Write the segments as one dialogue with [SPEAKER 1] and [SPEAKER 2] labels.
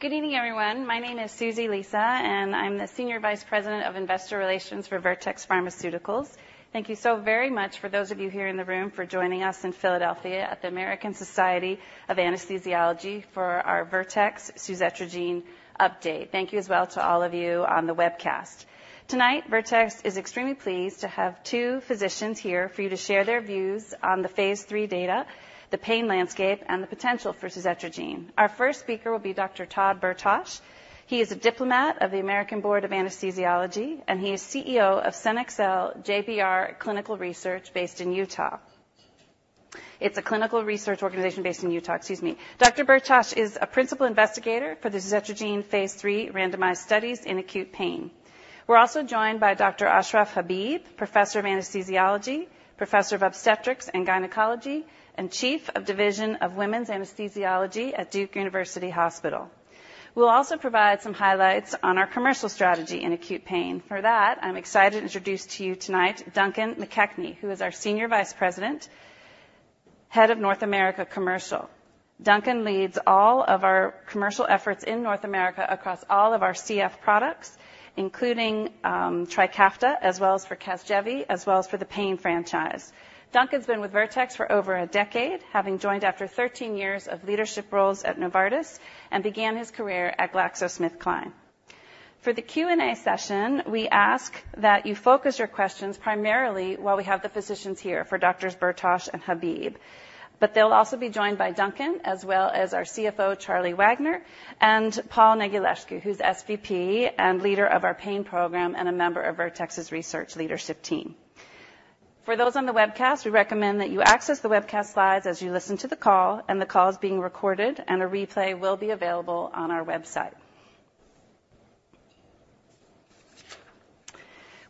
[SPEAKER 1] Good evening, everyone. My name is Susie Lisa, and I'm the Senior Vice President of Investor Relations for Vertex Pharmaceuticals. Thank you so very much for those of you here in the room for joining us in Philadelphia at the American Society of Anesthesiologists for our Vertex suzetrigine update. Thank you as well to all of you on the webcast. Tonight, Vertex is extremely pleased to have two physicians here for you to share their views on the phase III data, the PAIN landscape, and the potential for suzetrigine. Our first speaker will be Dr. Todd Bertoch. He is a Diplomate of the American Board of Anesthesiology, and he is CEO of CenExel JBR Clinical Research based in Utah. It's a clinical research organization based in Utah, excuse me. Dr. Bertoch is a principal investigator for the suzetrigine phase III randomized studies in acute pain. We're also joined by Dr. Ashraf Habib, Professor of Anesthesiology, Professor of Obstetrics and Gynecology, and Chief of Division of Women's Anesthesiology at Duke University Hospital. We'll also provide some highlights on our commercial strategy in acute pain. For that, I'm excited to introduce to you tonight Duncan McKechnie, who is our Senior Vice President, Head of North America Commercial. Duncan leads all of our commercial efforts in North America across all of our CF products, including Trikafta, as well as for Casgevy, as well as for the pain franchise. Duncan's been with Vertex for over a decade, having joined after thirteen years of leadership roles at Novartis, and began his career at GlaxoSmithKline. For the Q&A session, we ask that you focus your questions primarily while we have the physicians here for Doctors Bertoch and Habib. But they'll also be joined by Duncan, as well as our CFO, Charlie Wagner, and Paul Negulescu, who's SVP and leader of our pain program and a member of Vertex's research leadership team. For those on the webcast, we recommend that you access the webcast slides as you listen to the call, and the call is being recorded, and a replay will be available on our website.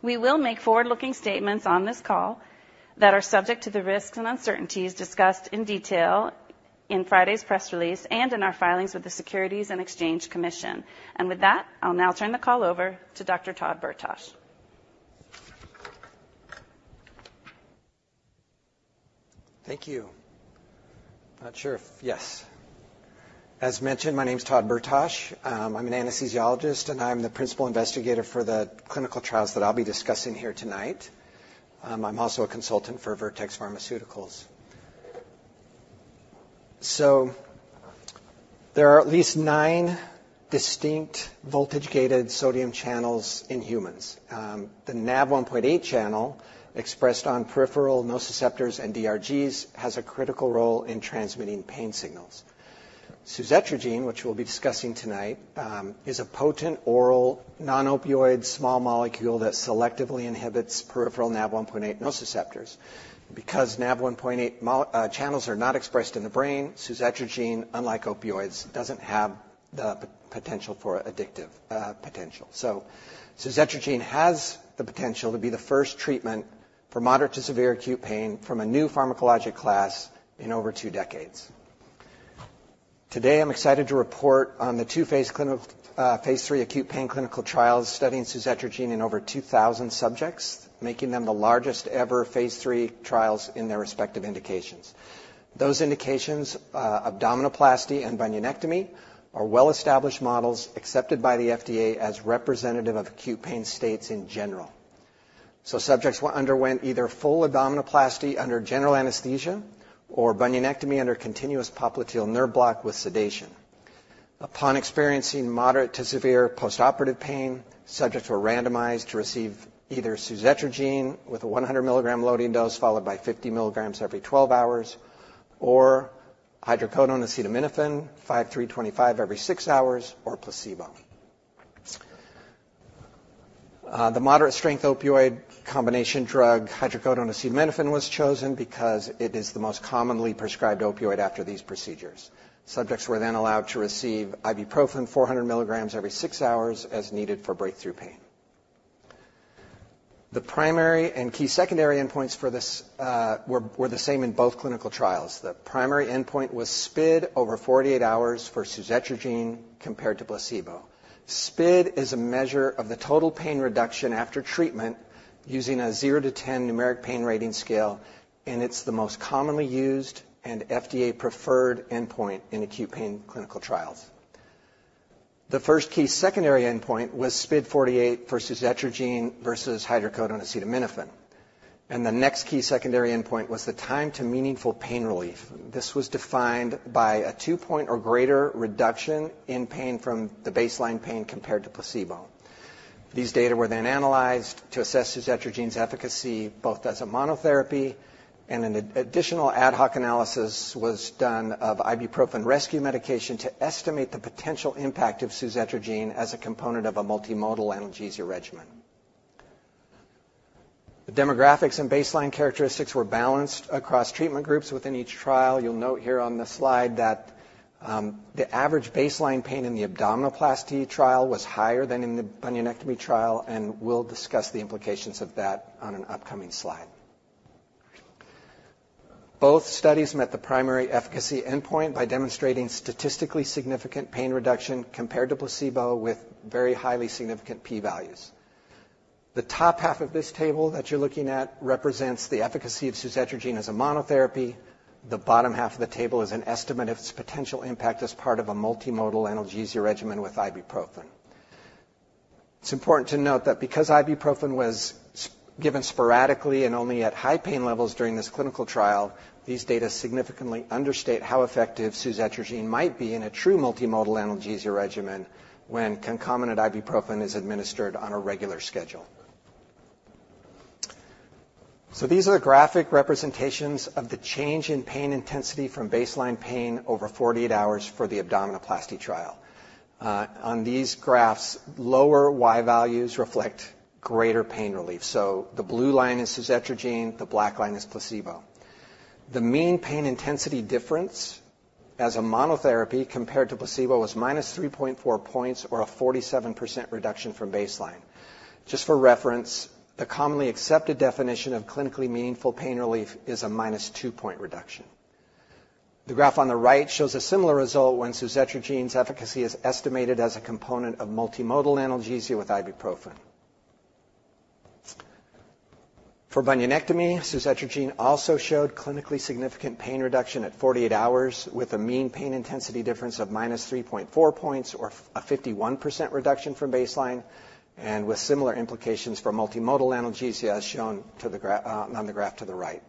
[SPEAKER 1] We will make forward-looking statements on this call that are subject to the risks and uncertainties discussed in detail in Friday's press release and in our filings with the Securities and Exchange Commission. And with that, I'll now turn the call over to Dr. Todd Bertoch.
[SPEAKER 2] Thank you. As mentioned, my name is Todd Bertoch. I'm an anesthesiologist, and I'm the principal investigator for the clinical trials that I'll be discussing here tonight. I'm also a consultant for Vertex Pharmaceuticals, so there are at least nine distinct voltage-gated sodium channels in humans. The NaV1.8 channel, expressed on peripheral nociceptors and DRGs, has a critical role in transmitting pain signals. Suzetrigine, which we'll be discussing tonight, is a potent oral, non-opioid, small molecule that selectively inhibits peripheral NaV1.8 nociceptors. Because NaV1.8 channels are not expressed in the brain, suzetrigine, unlike opioids, doesn't have the potential for addictive potential, so suzetrigine has the potential to be the first treatment for moderate to severe acute pain from a new pharmacologic class in over two decades. Today, I'm excited to report on the two-phase clinical phase III acute pain clinical trials studying suzetrigine in over 2,000 subjects, making them the largest ever phase III trials in their respective indications. Those indications, abdominoplasty and bunionectomy, are well-established models accepted by the FDA as representative of acute pain states in general. Subjects underwent either full abdominoplasty under general anesthesia or bunionectomy under continuous popliteal nerve block with sedation. Upon experiencing moderate to severe postoperative pain, subjects were randomized to receive either suzetrigine with a 100 milligram loading dose followed by 50 milligrams every 12 hours, or hydrocodone-acetaminophen 5-325 every 6 hours, or placebo. The moderate-strength opioid combination drug, hydrocodone-acetaminophen, was chosen because it is the most commonly prescribed opioid after these procedures. Subjects were then allowed to receive ibuprofen 400 milligrams every 6 hours, as needed for breakthrough pain. The primary and key secondary endpoints for this were the same in both clinical trials. The primary endpoint was SPID over 48 hours for suzetrigine compared to placebo. SPID is a measure of the total pain reduction after treatment using a zero to 10 numeric pain rating scale, and it's the most commonly used and FDA-preferred endpoint in acute pain clinical trials. The first key secondary endpoint was SPID48 for suzetrigine versus hydrocodone-acetaminophen. The next key secondary endpoint was the time to meaningful pain relief. This was defined by a two-point or greater reduction in pain from the baseline pain compared to placebo. These data were then analyzed to assess suzetrigine's efficacy, both as a monotherapy, and an additional ad hoc analysis was done of ibuprofen rescue medication to estimate the potential impact of suzetrigine as a component of a multimodal analgesia regimen. The demographics and baseline characteristics were balanced across treatment groups within each trial. You'll note here on the slide that the average baseline pain in the abdominoplasty trial was higher than in the bunionectomy trial, and we'll discuss the implications of that on an upcoming slide. Both studies met the primary efficacy endpoint by demonstrating statistically significant pain reduction compared to placebo with very highly significant p-values. The top half of this table that you're looking at represents the efficacy of suzetrigine as a monotherapy. The bottom half of the table is an estimate of its potential impact as part of a multimodal analgesia regimen with ibuprofen. It's important to note that because ibuprofen was given sporadically and only at high pain levels during this clinical trial, these data significantly understate how effective suzetrigine might be in a true multimodal analgesia regimen when concomitant ibuprofen is administered on a regular schedule. These are the graphic representations of the change in pain intensity from baseline pain over 48 hours for the abdominoplasty trial. On these graphs, lower Y values reflect greater pain relief. The blue line is suzetrigine, the black line is placebo. The mean pain intensity difference as a monotherapy compared to placebo was minus 3.4 points or a 47% reduction from baseline. Just for reference, the commonly accepted definition of clinically meaningful pain relief is a minus 2-point reduction. The graph on the right shows a similar result when suzetrigine's efficacy is estimated as a component of multimodal analgesia with ibuprofen. For bunionectomy, suzetrigine also showed clinically significant pain reduction at 48 hours, with a mean pain intensity difference of minus 3.4 points, or a 51% reduction from baseline, and with similar implications for multimodal analgesia, as shown on the graph to the right.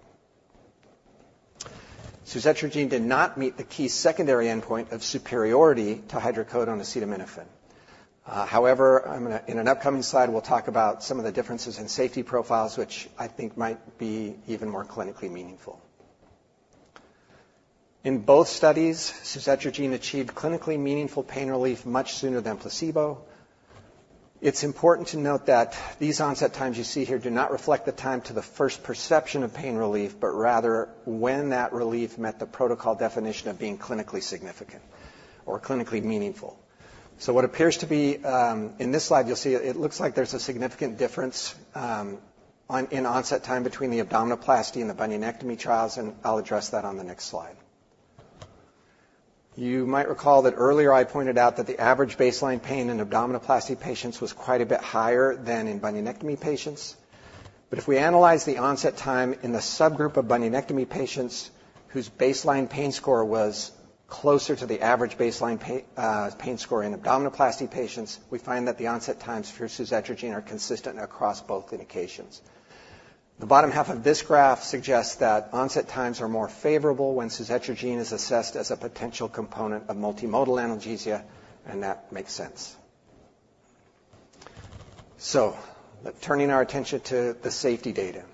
[SPEAKER 2] Suzetrigine did not meet the key secondary endpoint of superiority to hydrocodone-acetaminophen. However, in an upcoming slide, we'll talk about some of the differences in safety profiles, which I think might be even more clinically meaningful. In both studies, suzetrigine achieved clinically meaningful pain relief much sooner than placebo. It's important to note that these onset times you see here do not reflect the time to the first perception of pain relief, but rather when that relief met the protocol definition of being clinically significant or clinically meaningful. So what appears to be, In this slide, you'll see it looks like there's a significant difference, in onset time between the abdominoplasty and the bunionectomy trials, and I'll address that on the next slide. You might recall that earlier I pointed out that the average baseline pain in abdominoplasty patients was quite a bit higher than in bunionectomy patients. But if we analyze the onset time in the subgroup of bunionectomy patients whose baseline pain score was closer to the average baseline pain score in abdominoplasty patients, we find that the onset times for suzetrigine are consistent across both indications. The bottom half of this graph suggests that onset times are more favorable when suzetrigine is assessed as a potential component of multimodal analgesia, and that makes sense. So turning our attention to the safety data.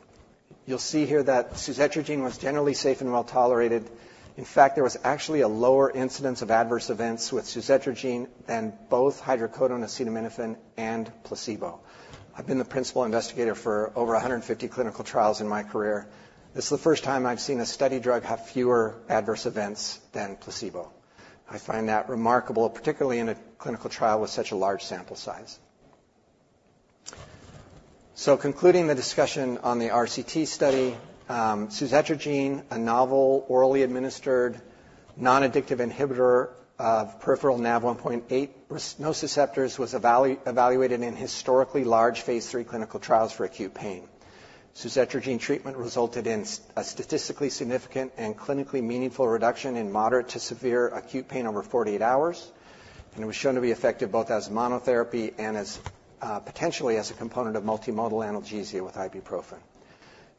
[SPEAKER 2] You'll see here that suzetrigine was generally safe and well tolerated. In fact, there was actually a lower incidence of adverse events with suzetrigine than both hydrocodone-acetaminophen, and placebo. I've been the principal investigator for over a hundred and fifty clinical trials in my career. This is the first time I've seen a study drug have fewer adverse events than placebo. I find that remarkable, particularly in a clinical trial with such a large sample size. So concluding the discussion on the RCT study, suzetrigine, a novel, orally administered, non-addictive inhibitor of peripheral NaV1.8 nociceptors, was evaluated in historically large phase III clinical trials for acute pain. Suzetrigine treatment resulted in a statistically significant and clinically meaningful reduction in moderate to severe acute pain over 48 hours, and it was shown to be effective both as monotherapy and as potentially as a component of multimodal analgesia with ibuprofen.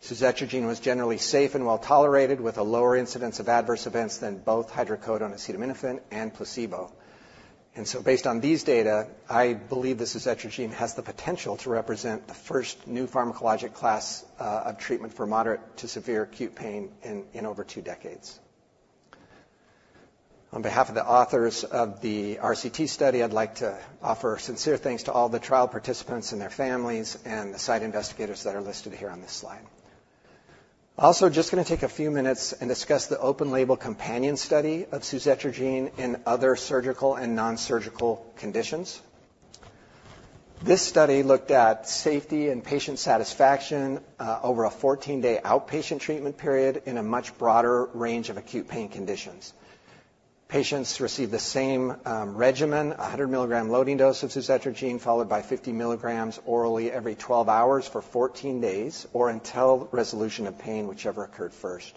[SPEAKER 2] Suzetrigine was generally safe and well tolerated, with a lower incidence of adverse events than both hydrocodone-acetaminophen and placebo. And so, based on these data, I believe that suzetrigine has the potential to represent the first new pharmacologic class of treatment for moderate to severe acute pain in over two decades. On behalf of the authors of the RCT study, I'd like to offer sincere thanks to all the trial participants and their families and the site investigators that are listed here on this slide. Also, just gonna take a few minutes and discuss the open label companion study of suzetrigine in other surgical and nonsurgical conditions. This study looked at safety and patient satisfaction over a 14-day outpatient treatment period in a much broader range of acute pain conditions. Patients received the same regimen, a 100 mg loading dose of suzetrigine, followed by 50 mg orally every 12 hours for 14 days, or until resolution of pain, whichever occurred first.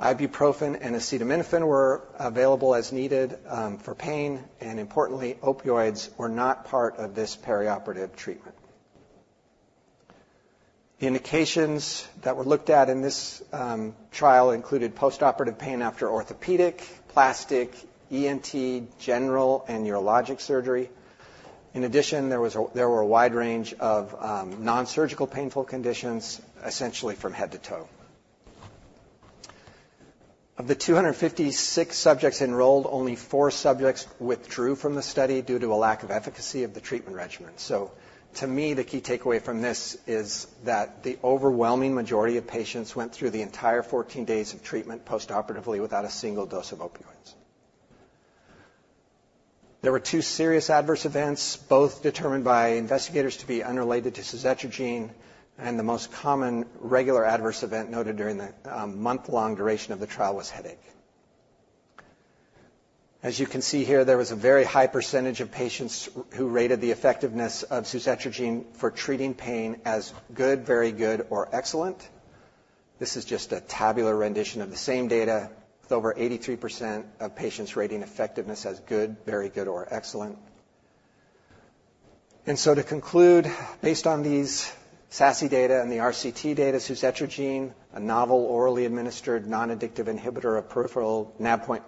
[SPEAKER 2] Ibuprofen and acetaminophen were available as needed for pain, and importantly, opioids were not part of this perioperative treatment. The indications that were looked at in this trial included postoperative pain after orthopedic, plastic, ENT, general, and urologic surgery. In addition, there were a wide range of nonsurgical painful conditions, essentially from head to toe. Of the 256 subjects enrolled, only four subjects withdrew from the study due to a lack of efficacy of the treatment regimen. So to me, the key takeaway from this is that the overwhelming majority of patients went through the entire 14 days of treatment postoperatively without a single dose of opioids. There were 2 serious adverse events, both determined by investigators to be unrelated to suzetrigine, and the most common regular adverse event noted during the month-long duration of the trial was headache. As you can see here, there was a very high percentage of patients who rated the effectiveness of suzetrigine for treating pain as good, very good, or excellent. This is just a tabular rendition of the same data, with over 83% of patients rating effectiveness as good, very good, or excellent. And so to conclude, based on these SASI data and the RCT data, suzetrigine, a novel, orally administered, non-addictive inhibitor of peripheral NaV1.8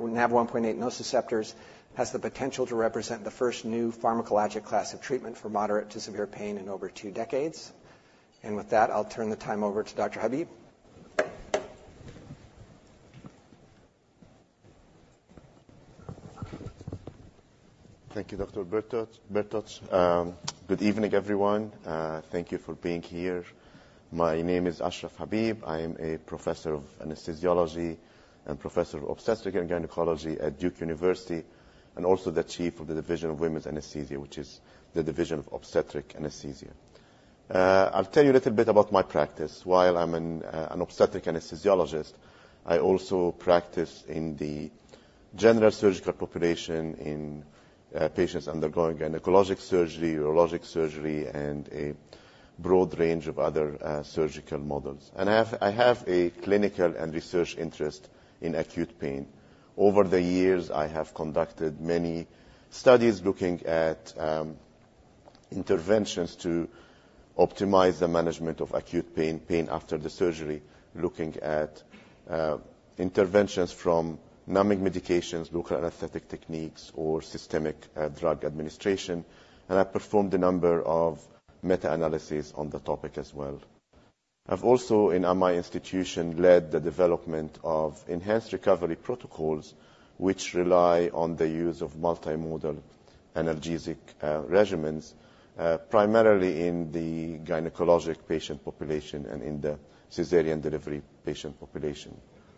[SPEAKER 2] nociceptors, has the potential to represent the first new pharmacologic class of treatment for moderate to severe pain in over two decades. And with that, I'll turn the time over to Dr. Habib.
[SPEAKER 3] Thank you, Dr. Bertoch. Good evening, everyone. Thank you for being here. My name is Ashraf Habib. I am a professor of anesthesiology and professor of obstetrics and gynecology at Duke University, and also the chief of the Division of Women's Anesthesia, which is the Division of Obstetric Anesthesia. I'll tell you a little bit about my practice. While I'm an obstetric anesthesiologist, I also practice in the general surgical population in patients undergoing gynecologic surgery, urologic surgery, and a broad range of other surgical models. I have a clinical and research interest in acute pain. Over the years, I have conducted many studies looking at interventions to optimize the management of acute pain, pain after the surgery, looking at interventions from numbing medications, local anesthetic techniques, or systemic drug administration. I performed a number of meta-analysis on the topic as well. I've also, in my institution, led the development of enhanced recovery protocols, which rely on the use of multimodal analgesic regimens, primarily in the gynecologic patient population and in the cesarean delivery patient population.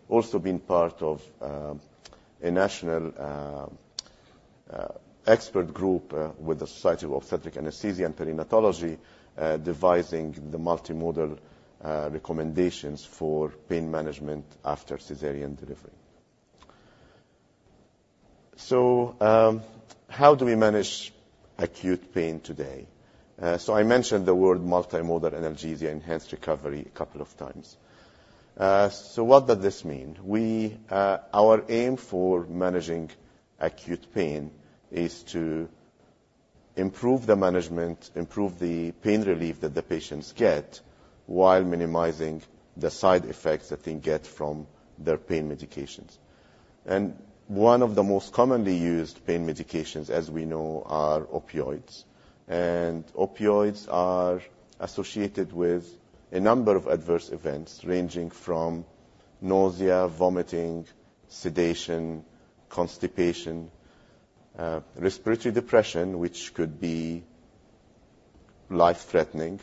[SPEAKER 3] Also been part of a national expert group with the Society of Obstetric Anesthesia and Perinatology, devising the multimodal recommendations for pain management after cesarean delivery. How do we manage acute pain today? I mentioned the word multimodal analgesia, enhanced recovery, a couple of times. What does this mean? We, our aim for managing acute pain is to improve the management, improve the pain relief that the patients get, while minimizing the side effects that they get from their pain medications. One of the most commonly used pain medications, as we know, are opioids. Opioids are associated with a number of adverse events, ranging from nausea, vomiting, sedation, constipation, respiratory depression, which could be life-threatening.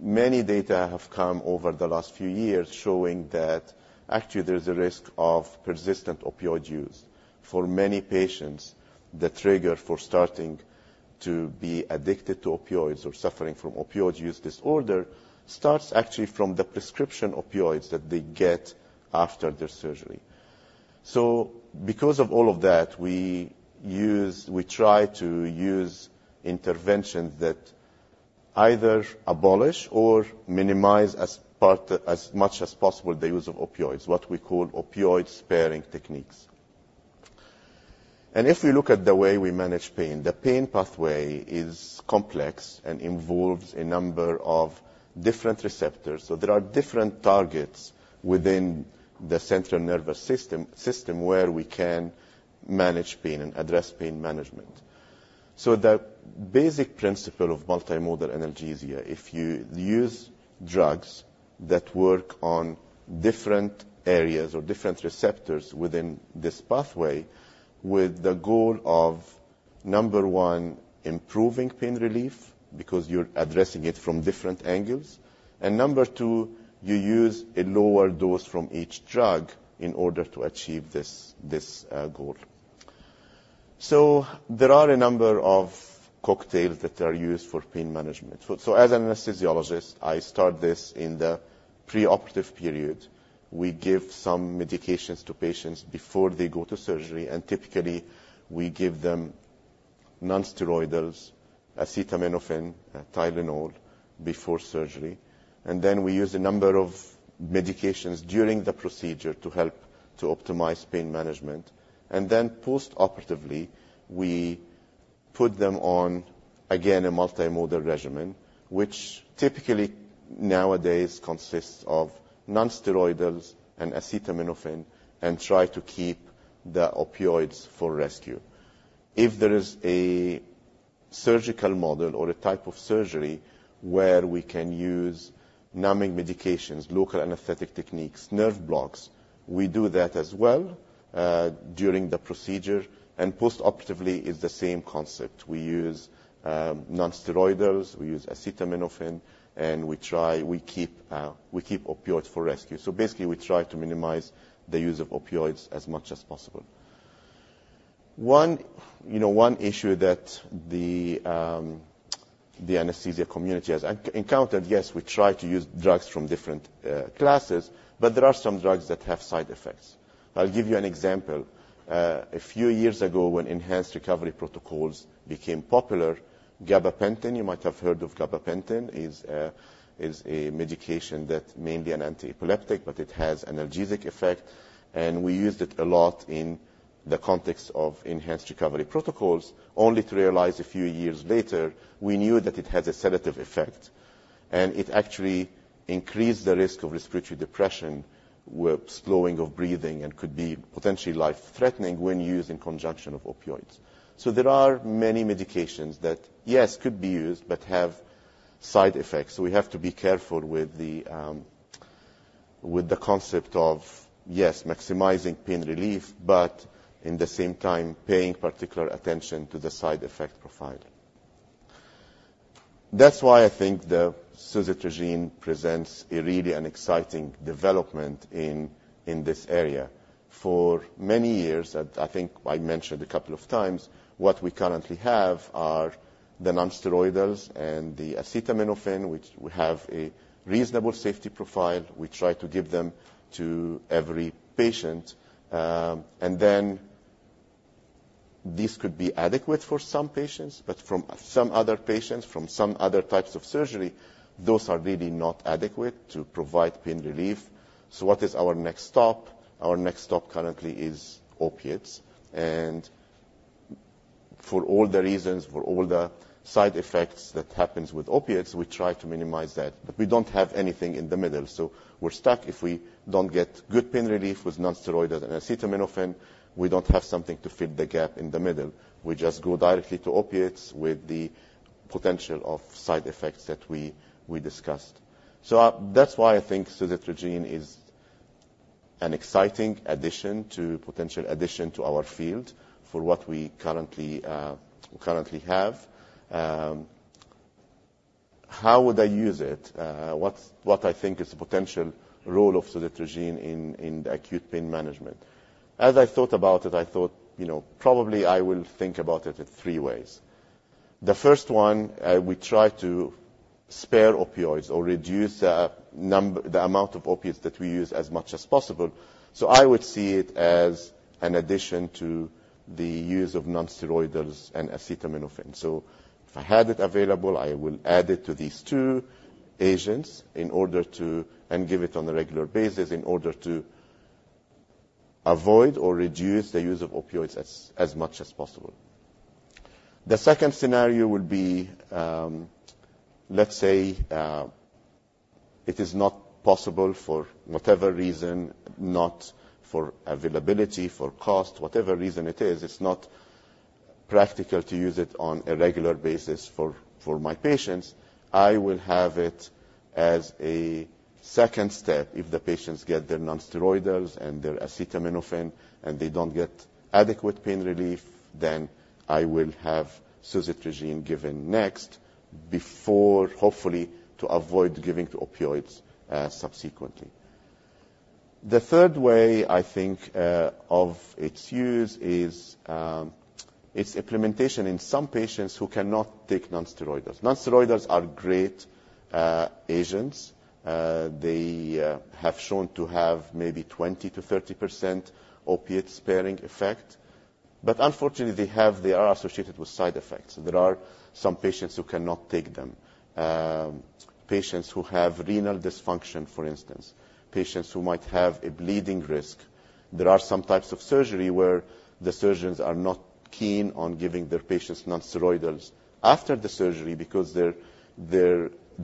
[SPEAKER 3] Many data have come over the last few years showing that actually, there's a risk of persistent opioid use. For many patients, the trigger for starting to be addicted to opioids or suffering from opioid use disorder, starts actually from the prescription opioids that they get after their surgery. Because of all of that, we try to use interventions that either abolish or minimize as part, as much as possible, the use of opioids, what we call opioid-sparing techniques. If we look at the way we manage pain, the pain pathway is complex and involves a number of different receptors. There are different targets within the central nervous system where we can manage pain and address pain management. The basic principle of multimodal analgesia is if you use drugs that work on different areas or different receptors within this pathway, with the goal of, number one, improving pain relief, because you're addressing it from different angles, and number two, you use a lower dose from each drug in order to achieve this goal. There are a number of cocktails that are used for pain management. As an anesthesiologist, I start this in the preoperative period. We give some medications to patients before they go to surgery, and typically, we give them nonsteroidals, acetaminophen, Tylenol, before surgery, and then we use a number of medications during the procedure to help to optimize pain management. Then post-operatively, we put them on, again, a multimodal regimen, which typically, nowadays, consists of nonsteroidals and acetaminophen, and try to keep the opioids for rescue. If there is a surgical model or a type of surgery where we can use numbing medications, local anesthetic techniques, nerve blocks, we do that as well during the procedure. Post-operatively is the same concept. We use nonsteroidals, we use acetaminophen, and we try to keep opioids for rescue. So basically, we try to minimize the use of opioids as much as possible. One issue that the anesthesia community has encountered. Yes, we try to use drugs from different classes, but there are some drugs that have side effects. I'll give you an example. A few years ago, when enhanced recovery protocols became popular, gabapentin, you might have heard of gabapentin, is a medication that's mainly an antiepileptic, but it has analgesic effect, and we used it a lot in the context of enhanced recovery protocols, only to realize a few years later we knew that it had a sedative effect. It actually increased the risk of respiratory depression, with slowing of breathing and could be potentially life-threatening when used in conjunction with opioids. So there are many medications that, yes, could be used, but have side effects. So we have to be careful with the concept of, yes, maximizing pain relief, but in the same time, paying particular attention to the side effect profile. That's why I think the suzetrigine presents a really an exciting development in this area. For many years, I think I mentioned a couple of times, what we currently have are the nonsteroidals and the acetaminophen, which we have a reasonable safety profile. We try to give them to every patient. And then this could be adequate for some patients, but from some other patients, from some other types of surgery, those are really not adequate to provide pain relief. So what is our next stop? Our next stop currently is opiates, and for all the reasons, for all the side effects that happens with opiates, we try to minimize that, but we don't have anything in the middle. So we're stuck if we don't get good pain relief with nonsteroidals and acetaminophen, we don't have something to fill the gap in the middle. We just go directly to opiates with the potential of side effects that we discussed. That's why I think suzetrigine is an exciting addition to potential addition to our field for what we currently have. How would I use it? What's what I think is the potential role of suzetrigine in acute pain management. As I thought about it, I thought, you know, probably I will think about it in three ways. The first one, we try to spare opioids or reduce the amount of opiates that we use as much as possible. So I would see it as an addition to the use of nonsteroidals and acetaminophen. So if I had it available, I will add it to these two agents in order to and give it on a regular basis, in order to avoid or reduce the use of opioids as much as possible. The second scenario would be, let's say, it is not possible for whatever reason, not for availability, for cost, whatever reason it is, it's not practical to use it on a regular basis for my patients. I will have it as a second step. If the patients get their nonsteroidals and their acetaminophen, and they don't get adequate pain relief, then I will have suzetrigine given next, before, hopefully, to avoid giving the opioids subsequently. The third way I think of its use is, it's implementation in some patients who cannot take nonsteroidals. Nonsteroidals are great agents. They have shown to have maybe 20%-30% opiate-sparing effect, but unfortunately, they have- they are associated with side effects. There are some patients who cannot take them. Patients who have renal dysfunction, for instance, patients who might have a bleeding risk. There are some types of surgery where the surgeons are not keen on giving their patients nonsteroidals after the surgery because they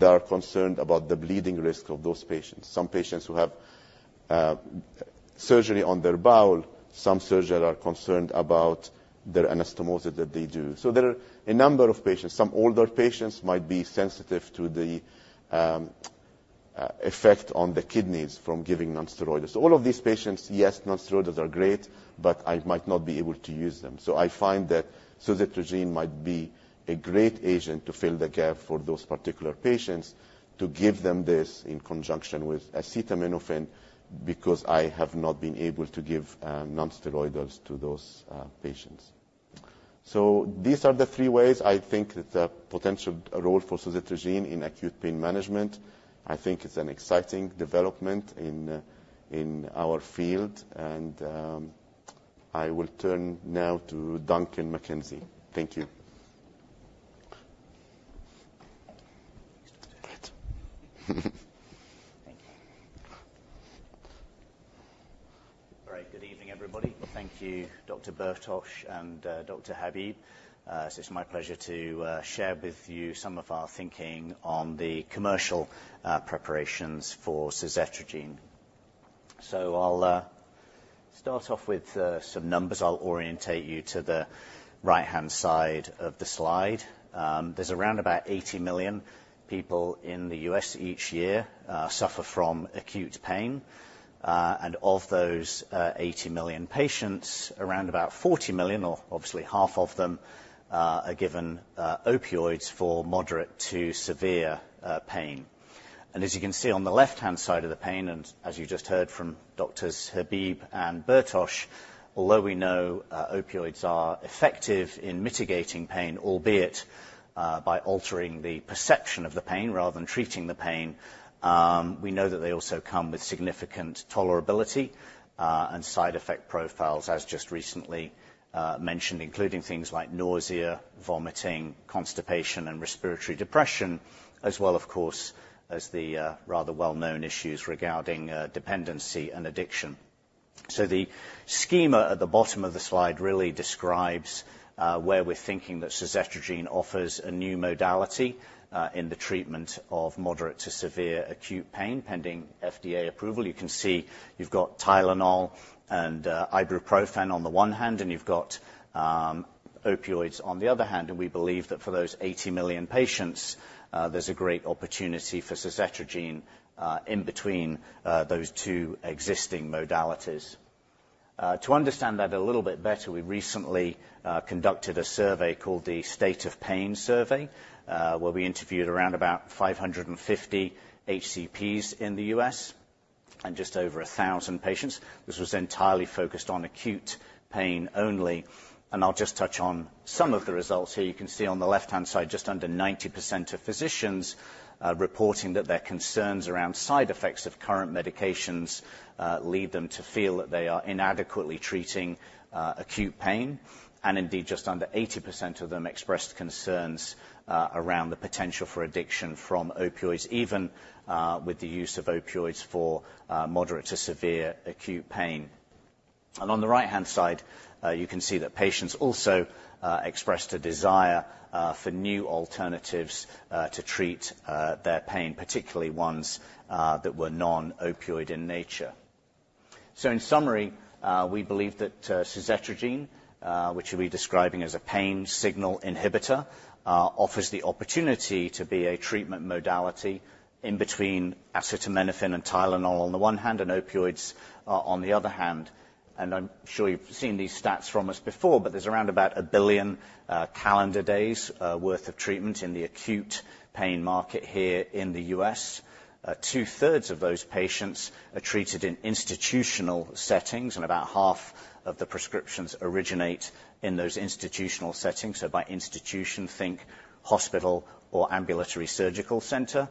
[SPEAKER 3] are concerned about the bleeding risk of those patients. Some patients who have surgery on their bowel, some surgeons are concerned about the anastomosis that they do, so there are a number of patients. Some older patients might be sensitive to the effect on the kidneys from giving nonsteroidals. All of these patients, yes, nonsteroidals are great, but I might not be able to use them, so I find that suzetrigine might be a great agent to fill the gap for those particular patients, to give them this in conjunction with acetaminophen, because I have not been able to give nonsteroidals to those patients. So these are the three ways I think that the potential role for suzetrigine in acute pain management. I think it's an exciting development in our field, and I will turn now to Duncan McKechnie. Thank you.
[SPEAKER 4] Great. Thank you. All right. Good evening, everybody. Thank you, Dr. Bertoch and, Dr. Habib. So it's my pleasure to share with you some of our thinking on the commercial preparations for suzetrigine. So I'll start off with some numbers. I'll orientate you to the right-hand side of the slide. There's around about eighty million people in the U.S. each year suffer from acute pain, and of those, eighty million patients, around about forty million, or obviously half of them, are given opioids for moderate to severe pain. As you can see on the left-hand side of the slide, and as you just heard from Doctors Habib and Bertoch, although we know opioids are effective in mitigating pain, albeit by altering the perception of the pain rather than treating the pain, we know that they also come with significant tolerability and side effect profiles, as just recently mentioned, including things like nausea, vomiting, constipation, and respiratory depression, as well, of course, as the rather well-known issues regarding dependency and addiction. So the schema at the bottom of the slide really describes where we're thinking that suzetrigine offers a new modality in the treatment of moderate to severe acute pain, pending FDA approval. You can see you've got Tylenol and ibuprofen on the one hand, and you've got opioids on the other hand, and we believe that for those eighty million patients there's a great opportunity for suzetrigine in between those two existing modalities. To understand that a little bit better, we recently conducted a survey called the State of Pain Survey where we interviewed around about five hundred and fifty HCPs in the US and just over a thousand patients. This was entirely focused on acute pain only, and I'll just touch on some of the results here. You can see on the left-hand side, just under 90% of physicians reporting that their concerns around side effects of current medications lead them to feel that they are inadequately treating acute pain. And indeed, just under 80% of them expressed concerns around the potential for addiction from opioids, even with the use of opioids for moderate to severe acute pain. And on the right-hand side, you can see that patients also expressed a desire for new alternatives to treat their pain, particularly ones that were non-opioid in nature. So in summary, we believe that suzetrigine, which we'll be describing as a pain signal inhibitor, offers the opportunity to be a treatment modality in between acetaminophen and Tylenol on the one hand, and opioids on the other hand. And I'm sure you've seen these stats from us before, but there's around about a billion calendar days worth of treatment in the acute pain market here in the U.S. Two-thirds of those patients are treated in institutional settings, and about half of the prescriptions originate in those institutional settings. So by institution, think hospital or ambulatory surgical center.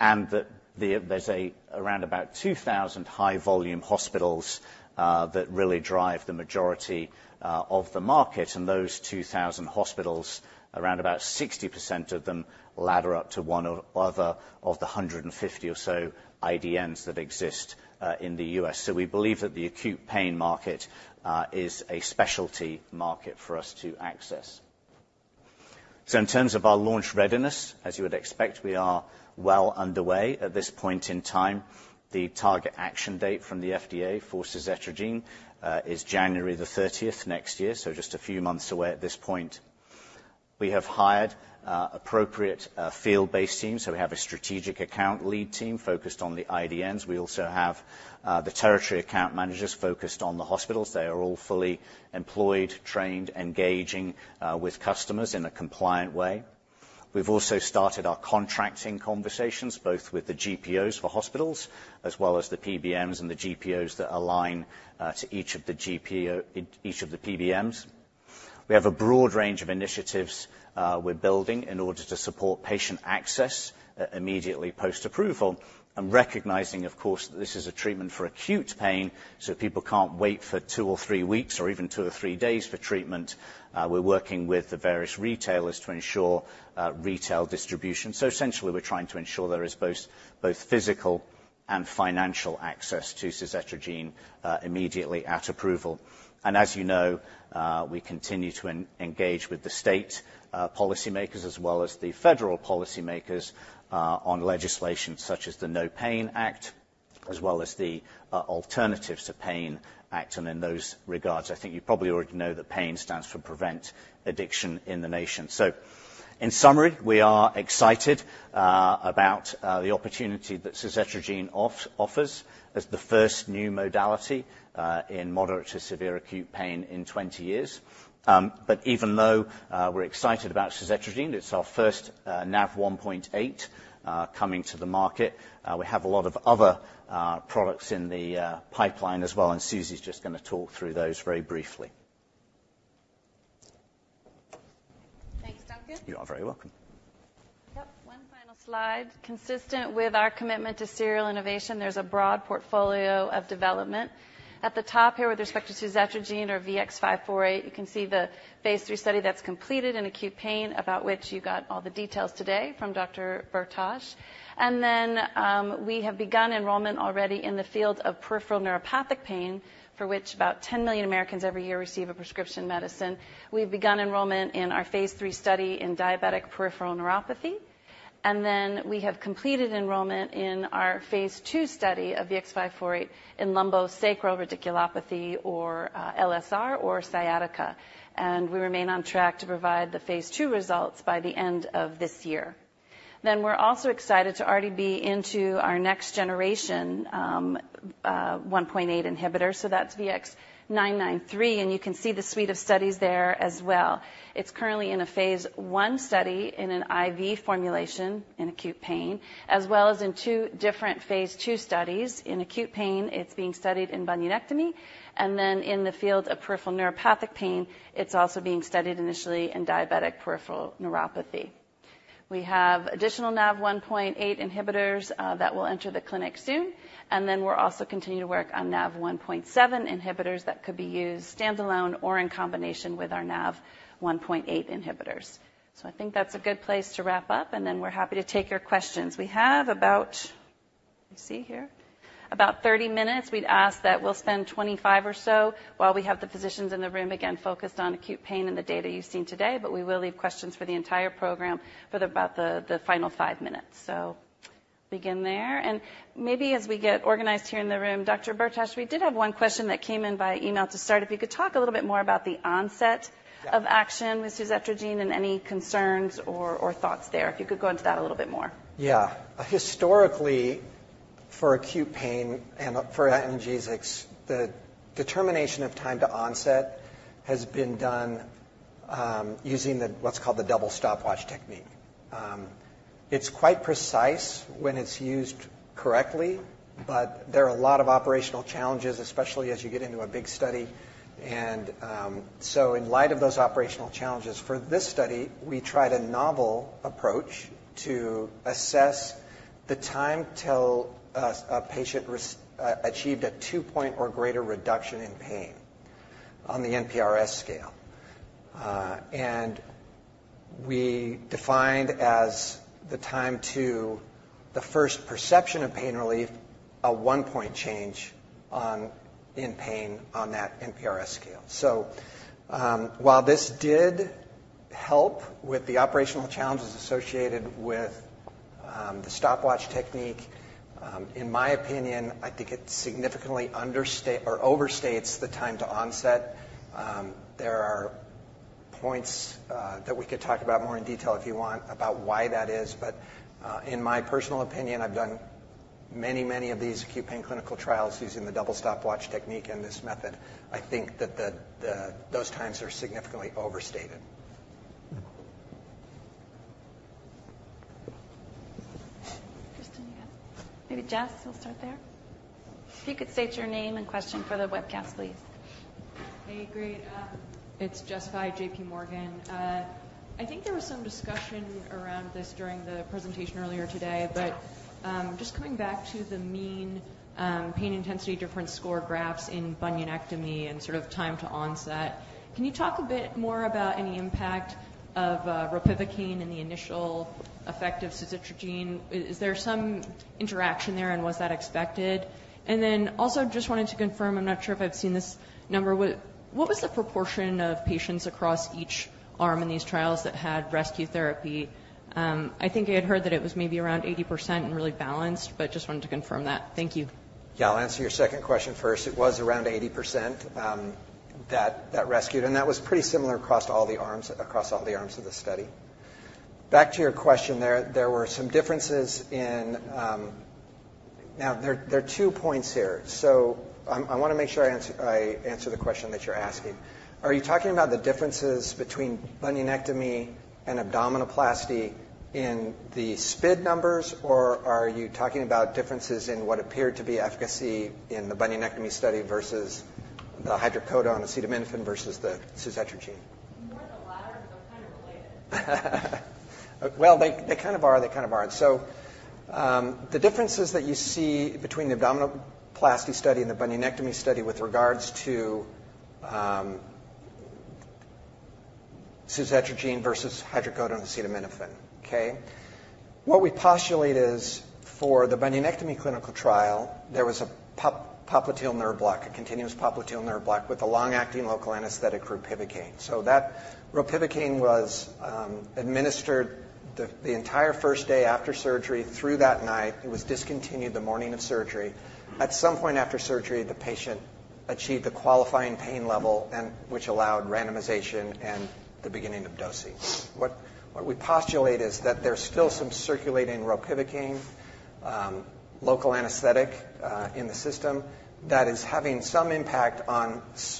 [SPEAKER 4] And there's around about 2,000 high volume hospitals that really drive the majority of the market. And those 2,000 hospitals, around about 60% of them, ladder up to one or other of the 150 or so IDNs that exist in the U.S. So we believe that the acute pain market is a specialty market for us to access. So in terms of our launch readiness, as you would expect, we are well underway at this point in time. The target action date from the FDA for suzetrigine is January the thirtieth next year, so just a few months away at this point. We have hired appropriate field-based teams, so we have a strategic account lead team focused on the IDNs. We also have the territory account managers focused on the hospitals. They are all fully employed, trained, engaging with customers in a compliant way. We've also started our contracting conversations, both with the GPOs for hospitals as well as the PBMs and the GPOs that align to each of the PBMs. We have a broad range of initiatives, we're building in order to support patient access immediately post-approval. And recognizing, of course, that this is a treatment for acute pain, so people can't wait for two or three weeks or even two or three days for treatment, we're working with the various retailers to ensure retail distribution, so essentially, we're trying to ensure there is both physical and financial access to suzetrigine immediately at approval, and as you know, we continue to engage with the state policymakers as well as the federal policymakers on legislation such as the NOPAIN Act, as well as the Alternatives to PAIN Act and in those regards, I think you probably already know that Pain stands for Prevent Addiction in the Nation, so in summary, we are excited about the opportunity that suzetrigine offers as the first new modality in moderate to severe acute pain in twenty years. But even though we're excited about suzetrigine, it's our first NaV1.8 coming to the market, we have a lot of other products in the pipeline as well, and Susie's just gonna talk through those very briefly.
[SPEAKER 1] Thanks, Duncan.
[SPEAKER 4] You are very welcome.
[SPEAKER 1] Yep. One final slide. Consistent with our commitment to serial innovation, there's a broad portfolio of development. At the top here, with respect to suzetrigine or VX-548, you can see the phase III study that's completed in acute pain, about which you got all the details today from Dr. Bertoch. And then, we have begun enrollment already in the field of peripheral neuropathic pain, for which about 10 million Americans every year receive a prescription medicine. We've begun enrollment in our phase III study in diabetic peripheral neuropathy, and then we have completed enrollment in our phase II study of VX-548 in lumbosacral radiculopathy or, LSR or sciatica. And we remain on track to provide the phase II results by the end of this year. Then we're also excited to already be into our next generation, NaV1.8 inhibitor, so that's VX-993, and you can see the suite of studies there as well. It's currently in a phase I study in an IV formulation in acute pain, as well as in two different phase II studies. In acute pain, it's being studied in bunionectomy, and then in the field of peripheral neuropathic pain, it's also being studied initially in diabetic peripheral neuropathy. We have additional NaV1.8 inhibitors that will enter the clinic soon, and then we're also continuing to work on NaV1.7 inhibitors that could be used standalone or in combination with our NaV1.8 inhibitors. So I think that's a good place to wrap up, and then we're happy to take your questions. We have about, let's see here, about thirty minutes. We'd ask that we'll spend twenty-five or so while we have the physicians in the room, again, focused on acute pain and the data you've seen today, but we will leave questions for the entire program for about the final five minutes. So begin there, and maybe as we get organized here in the room, Dr. Bertoch, we did have one question that came in by email to start. If you could talk a little bit more about the onset of action-
[SPEAKER 2] Yeah.
[SPEAKER 1] with suzetrigine and any concerns or thoughts there, if you could go into that a little bit more.
[SPEAKER 2] Yeah. Historically, for acute pain and for analgesics, the determination of time to onset has been done using what's called the double stopwatch technique. It's quite precise when it's used correctly, but there are a lot of operational challenges, especially as you get into a big study, and so in light of those operational challenges, for this study, we tried a novel approach to assess the time till a patient achieved a two-point or greater reduction in pain on the NPRS scale. And we defined as the time to the first perception of pain relief, a one-point change in pain on that NPRS scale. While this did help with the operational challenges associated with the stopwatch technique, in my opinion, I think it significantly overstates the time to onset. There are points that we could talk about more in detail if you want, about why that is. But, in my personal opinion, I've done many, many of these acute pain clinical trials using the double stopwatch technique and this method. I think that those times are significantly overstated.
[SPEAKER 1] Kristin, you have... Maybe Jess, we'll start there. If you could state your name and question for the webcast, please.
[SPEAKER 5] Hey, great. It's Jessica Fye, JP Morgan. I think there was some discussion around this during the presentation earlier today, but just coming back to the mean pain intensity difference score graphs in bunionectomy and sort of time to onset, can you talk a bit more about any impact of ropivacaine and the initial effect of suzetrigine? Is there some interaction there, and was that expected? And then also, just wanted to confirm. I'm not sure if I've seen this number. What was the proportion of patients across each arm in these trials that had rescue therapy? I think I had heard that it was maybe around 80% and really balanced, but just wanted to confirm that. Thank you.
[SPEAKER 2] Yeah, I'll answer your second question first. It was around 80%, that rescued, and that was pretty similar across all the arms of the study. Back to your question, there were some differences in. Now, there are two points here. So I want to make sure I answer the question that you're asking. Are you talking about the differences between bunionectomy and abdominoplasty in the SPID numbers, or are you talking about differences in what appeared to be efficacy in the bunionectomy study versus the hydrocodone-acetaminophen versus the suzetrigine?
[SPEAKER 5] More the latter, but kind of related?
[SPEAKER 2] They kind of are, they kind of aren't. The differences that you see between the abdominoplasty study and the bunionectomy study with regards to suzetrigine versus hydrocodone and acetaminophen, okay? What we postulate is for the bunionectomy clinical trial, there was a popliteal nerve block, a continuous popliteal nerve block with a long-acting local anesthetic, ropivacaine. That ropivacaine was administered the entire first day after surgery, through that night. It was discontinued the morning of surgery. At some point after surgery, the patient achieved a qualifying pain level and which allowed randomization and the beginning of dosing. What we postulate is that there's still some circulating ropivacaine, local anesthetic, in the system that is having some impact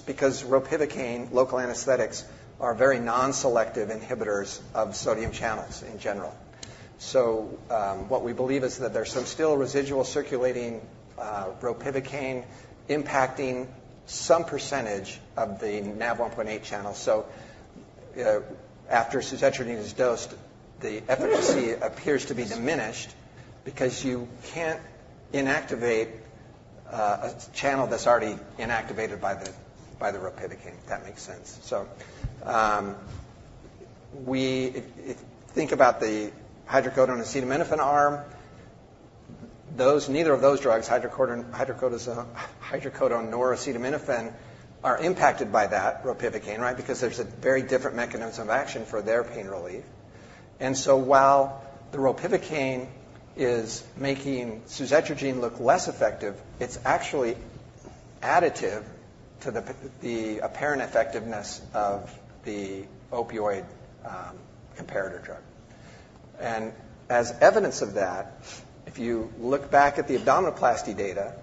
[SPEAKER 2] because ropivacaine local anesthetics are very non-selective inhibitors of sodium channels in general. So, what we believe is that there's some still residual circulating ropivacaine impacting some percentage of the NaV1.8 channel. So, you know, after suzetrigine is dosed, the efficacy appears to be diminished because you can't inactivate a channel that's already inactivated by the ropivacaine, if that makes sense. If you think about the hydrocodone and acetaminophen arm, neither of those drugs, hydrocodone nor acetaminophen, are impacted by that ropivacaine, right? Because there's a very different mechanism of action for their pain relief. And so while the ropivacaine is making suzetrigine look less effective, it's actually additive to the apparent effectiveness of the opioid comparator drug. As evidence of that, if you look back at the abdominoplasty data,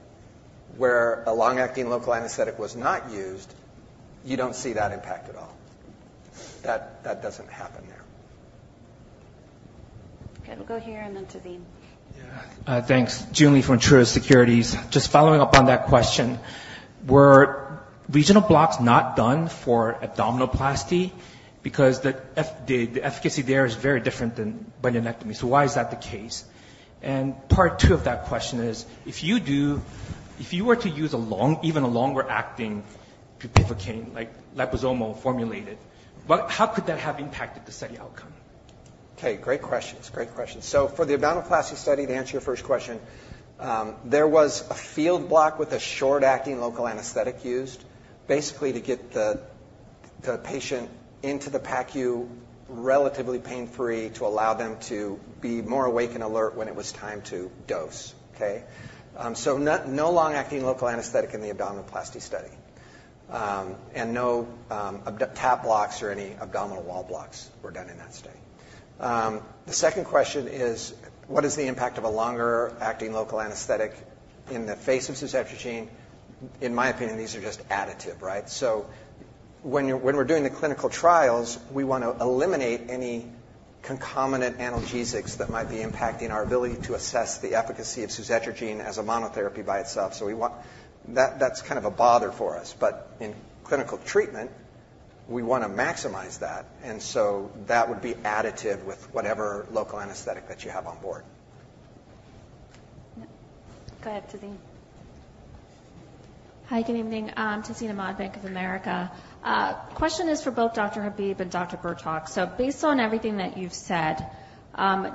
[SPEAKER 2] where a long-acting local anesthetic was not used, you don't see that impact at all. That doesn't happen there.
[SPEAKER 1] Okay, we'll go here, and then to the-
[SPEAKER 6] Yeah. Thanks. Joon Lee from Truist Securities. Just following up on that question, were regional blocks not done for abdominoplasty? Because the efficacy there is very different than bunionectomy. So why is that the case? And part 2 of that question is, if you were to use a long, even a longer-acting bupivacaine, like liposomal formulated, how could that have impacted the study outcome?
[SPEAKER 2] Okay, great questions. Great questions. So for the abdominoplasty study, to answer your first question, there was a field block with a short-acting local anesthetic used, basically to get the patient into the PACU relatively pain-free, to allow them to be more awake and alert when it was time to dose, okay? So no, no long-acting local anesthetic in the abdominoplasty study. And no, TAP blocks or any abdominal wall blocks were done in that study. The second question is: what is the impact of a longer-acting local anesthetic in the face of suzetrigine? In my opinion, these are just additive, right? So when you're, when we're doing the clinical trials, we want to eliminate any concomitant analgesics that might be impacting our ability to assess the efficacy of suzetrigine as a monotherapy by itself. So we want... That, that's kind of a bother for us. But in clinical treatment, we want to maximize that, and so that would be additive with whatever local anesthetic that you have on board.
[SPEAKER 1] Go ahead, Tazeen.
[SPEAKER 7] Hi, good evening. I'm Tazeen Ahmad, Bank of America. Question is for both Dr. Habib and Dr. Bertoch. So based on everything that you've said,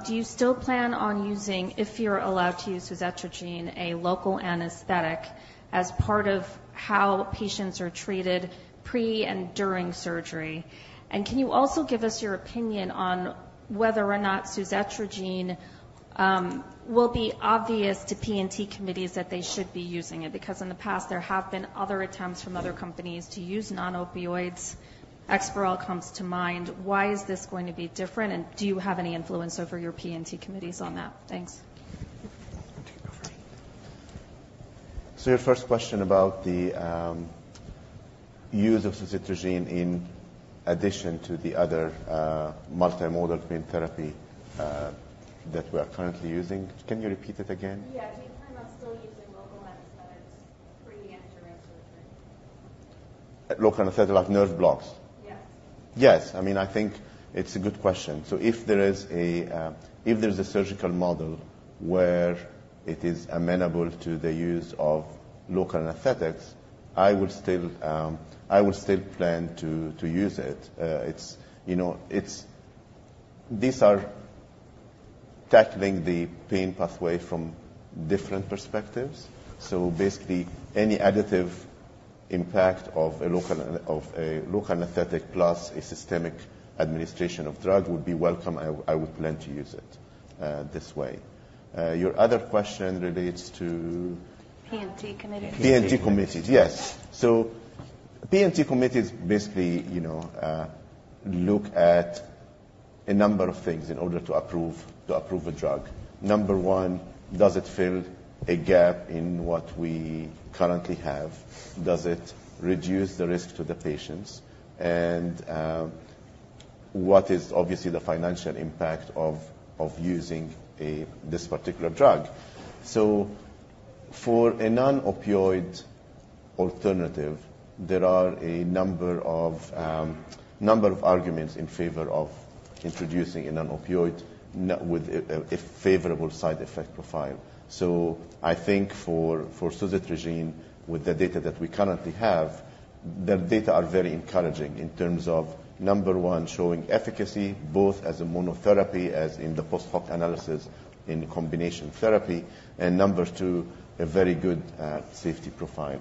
[SPEAKER 7] do you still plan on using, if you're allowed to use suzetrigine, a local anesthetic as part of how patients are treated pre and during surgery? And can you also give us your opinion on whether or not suzetrigine will be obvious to P&T committees that they should be using it? Because in the past, there have been other attempts from other companies to use non-opioids. EXPAREL comes to mind. Why is this going to be different, and do you have any influence over your P&T committees on that? Thanks.
[SPEAKER 3] I'll take it over. So your first question about the use of suzetrigine in addition to the other multimodal pain therapy that we are currently using. Can you repeat it again?
[SPEAKER 7] Yeah. Do you plan on still using local anesthetics pre and during surgery?
[SPEAKER 3] Local anesthetic, like nerve blocks?
[SPEAKER 7] Yes.
[SPEAKER 3] Yes. I mean, I think it's a good question. So if there is a surgical model where it is amenable to the use of local anesthetics, I would still plan to use it. It's, you know, it's these are tackling the pain pathway from different perspectives. So basically, any additive impact of a local anesthetic plus a systemic administration of drug would be welcome. I would plan to use it this way. Your other question relates to?
[SPEAKER 7] P&T committees.
[SPEAKER 3] P&T committees, yes. So P&T committees basically, you know, look at a number of things in order to approve a drug. Number one, does it fill a gap in what we currently have? Does it reduce the risk to the patients? And what is obviously the financial impact of using this particular drug? So for a non-opioid alternative, there are a number of arguments in favor of introducing a non-opioid with a favorable side effect profile. So I think for suzetrigine, with the data that we currently have, the data are very encouraging in terms of number one, showing efficacy, both as a monotherapy, as in the post-hoc analysis in the combination therapy, and number two, a very good safety profile.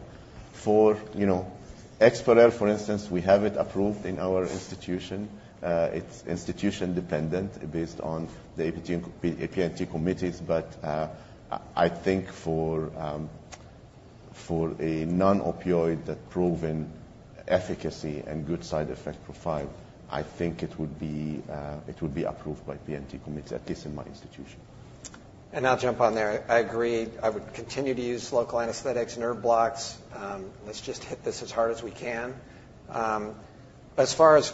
[SPEAKER 3] For you know, EXPAREL, for instance, we have it approved in our institution. It's institution dependent based on the P&T committees. But I think for a non-opioid with proven efficacy and good side effect profile, it would be approved by P&T committees, at least in my institution.
[SPEAKER 2] I'll jump on there. I agree. I would continue to use local anesthetics, nerve blocks. Let's just hit this as hard as we can. As far as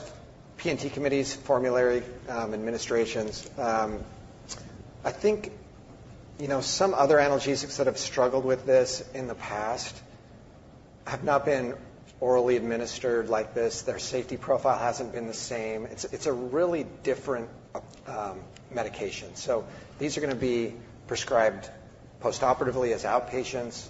[SPEAKER 2] P&T committees, formulary, administrators, I think, you know, some other analgesics that have struggled with this in the past have not been orally administered like this. Their safety profile hasn't been the same. It's a really different medication. So these are gonna be prescribed postoperatively as outpatients.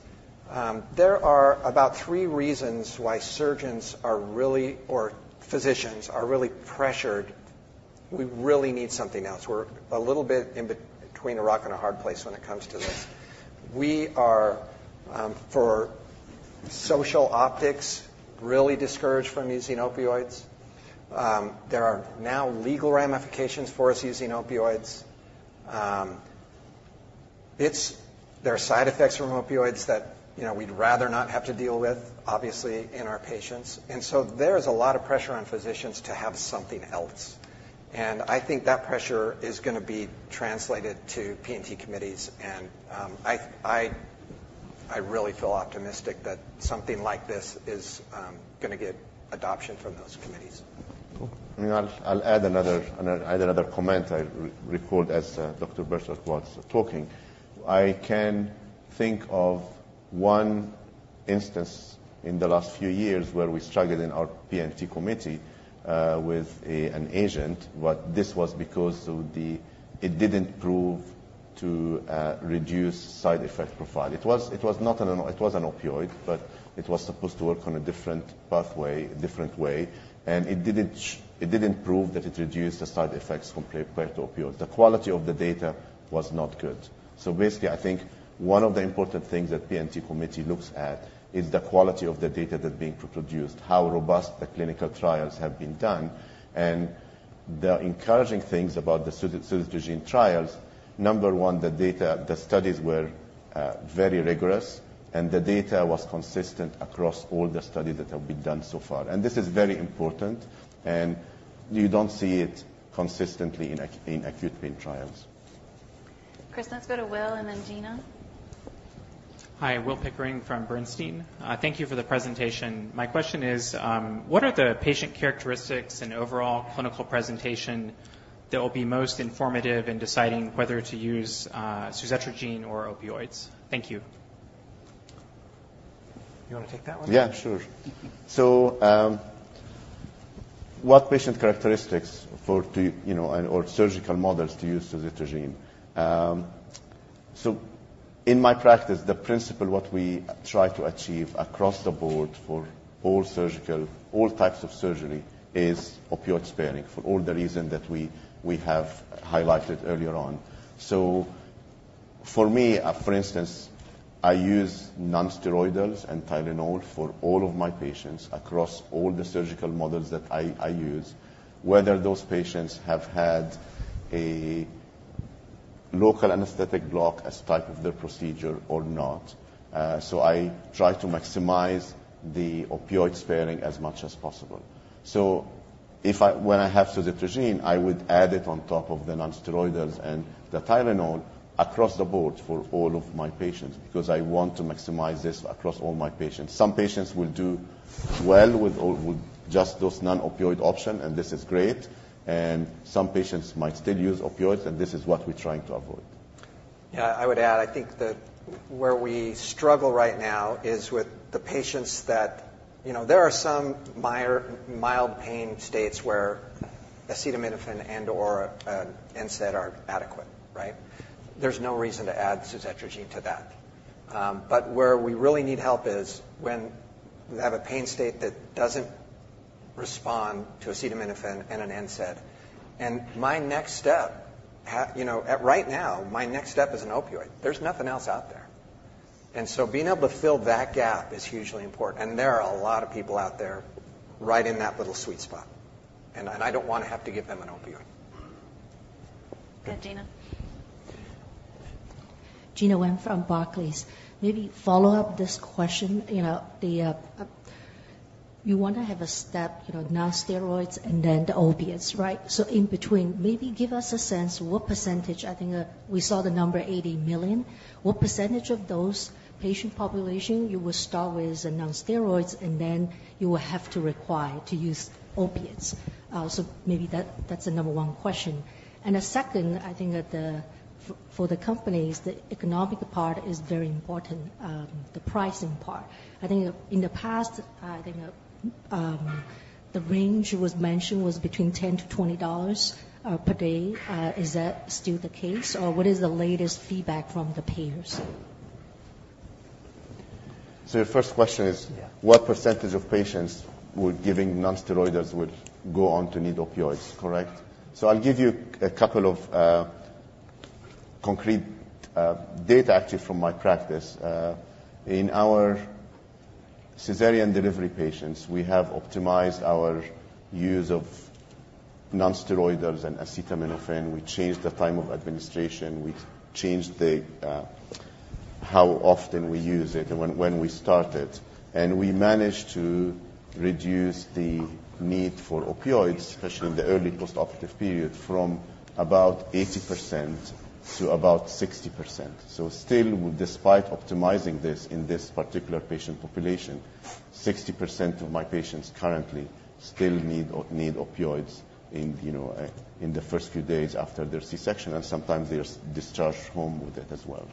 [SPEAKER 2] There are about three reasons why surgeons are really, or physicians are really pressured. We really need something else. We're a little bit in between a rock and a hard place when it comes to this. We are, for social optics, really discouraged from using opioids. There are now legal ramifications for us using opioids. There are side effects from opioids that, you know, we'd rather not have to deal with, obviously, in our patients. And so there's a lot of pressure on physicians to have something else, and I think that pressure is gonna be translated to P&T committees, and I really feel optimistic that something like this is gonna get adoption from those committees.
[SPEAKER 3] Cool. I mean, I'll add another comment I recall as Dr. Bertoch was talking. I can think of one instance in the last few years where we struggled in our P&T committee with an agent. But this was because of the... It didn't prove to reduce side effect profile. It was an opioid, but it was supposed to work on a different pathway, a different way. And it didn't prove that it reduced the side effects compared to opioids. The quality of the data was not good. So basically, I think one of the important things that P&T committee looks at is the quality of the data that's being produced, how robust the clinical trials have been done. And the encouraging things about the suzetrigine trials, number one, the data, the studies were very rigorous, and the data was consistent across all the studies that have been done so far. And this is very important, and you don't see it consistently in acute pain trials.
[SPEAKER 1] Chris, let's go to Will and then Gena.
[SPEAKER 8] Hi, Will Pickering from Bernstein. Thank you for the presentation. My question is, what are the patient characteristics and overall clinical presentation that will be most informative in deciding whether to use suzetrigine or opioids? Thank you.
[SPEAKER 2] You wanna take that one?
[SPEAKER 3] Yeah, sure. So, what patient characteristics, you know, or surgical models to use suzetrigine? So in my practice, the principal what we try to achieve across the board for all surgical, all types of surgery, is opioid sparing, for all the reasons that we have highlighted earlier on. So for me, for instance, I use nonsteroidals and Tylenol for all of my patients across all the surgical models that I use, whether those patients have had a local anesthetic block as part of their procedure or not. So I try to maximize the opioid sparing as much as possible. So when I have suzetrigine, I would add it on top of the nonsteroidals and the Tylenol across the board for all of my patients, because I want to maximize this across all my patients. Some patients will do well with just those non-opioid options, and this is great. Some patients might still use opioids, and this is what we're trying to avoid.
[SPEAKER 2] Yeah, I would add, I think that where we struggle right now is with the patients that. You know, there are some mild pain states where acetaminophen and/or an NSAID are adequate, right? There's no reason to add suzetrigine to that. But where we really need help is when we have a pain state that doesn't respond to acetaminophen and an NSAID. And my next step, you know, right now, is an opioid. There's nothing else out there. And so being able to fill that gap is hugely important, and there are a lot of people out there right in that little sweet spot, and I don't wanna have to give them an opioid.
[SPEAKER 1] Go, Gena.
[SPEAKER 9] Gena Wang from Barclays. Maybe follow up this question, you know, the, you want to have a step, you know, nonsteroids and then the opiates, right? So in between, maybe give us a sense, what percentage-- I think, we saw the number 80 million. What percentage of those patient population you will start with a nonsteroids, and then you will have to require to use opiates? So maybe that, that's the number one question. And the second, I think that the, for the companies, the economic part is very important, the pricing part. I think in the past, I think, the range was mentioned was between $10-$20 per day. Is that still the case, or what is the latest feedback from the payers?
[SPEAKER 3] So your first question is-
[SPEAKER 2] Yeah.
[SPEAKER 3] -what percentage of patients we're giving nonsteroidals would go on to need opioids, correct? So I'll give you a couple of concrete data, actually, from my practice. In our cesarean delivery patients, we have optimized our use of nonsteroidals and acetaminophen. We changed the time of administration, we changed the how often we use it and when, when we start it. And we managed to reduce the need for opioids, especially in the early postoperative period, from about 80% to about 60%. So still, despite optimizing this in this particular patient population, 60% of my patients currently still need opioids in, you know, in the first few days after their C-section, and sometimes they're discharged home with it as well.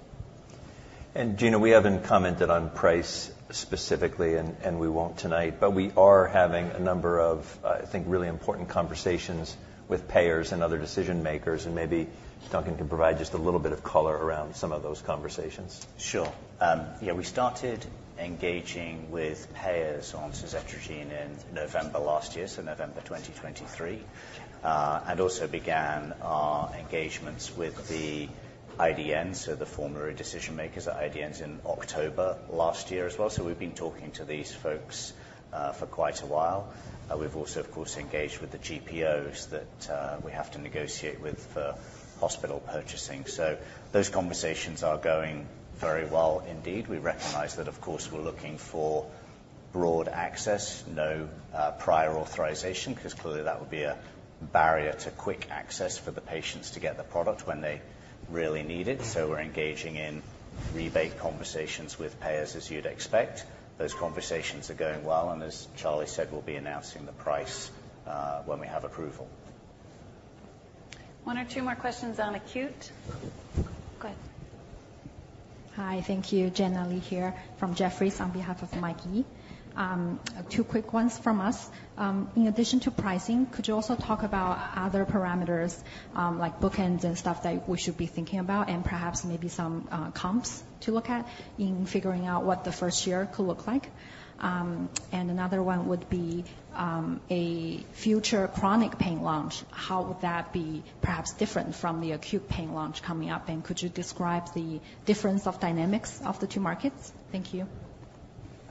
[SPEAKER 2] Gena, we haven't commented on price specifically, and we won't tonight. But we are having a number of, I think, really important conversations with payers and other decision-makers, and maybe Duncan can provide just a little bit of color around some of those conversations.
[SPEAKER 4] Sure. Yeah, we started engaging with payers on suzetrigine in November last year, so November 2023, and also began our engagements with the IDN, so the formulary decision-makers at IDNs in October last year as well. So we've been talking to these folks for quite a while. We've also, of course, engaged with the GPOs that we have to negotiate with for hospital purchasing. So those conversations are going very well indeed. We recognize that, of course, we're looking for broad access, no prior authorization, 'cause clearly that would be a barrier to quick access for the patients to get the product when they really need it. So we're engaging in rebate conversations with payers, as you'd expect. Those conversations are going well, and as Charlie said, we'll be announcing the price when we have approval.
[SPEAKER 1] One or two more questions on acute. Go ahead.
[SPEAKER 10] Hi, thank you. Jenna Li here from Jefferies on behalf of Michael Yee. Two quick ones from us. In addition to pricing, could you also talk about other parameters, like bookends and stuff that we should be thinking about, and perhaps maybe some, comps to look at in figuring out what the first year could look like? And another one would be, a future chronic pain launch. How would that be perhaps different from the acute pain launch coming up? And could you describe the difference of dynamics of the two markets? Thank you.